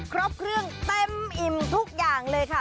ครบเครื่องเต็มอิ่มทุกอย่างเลยค่ะ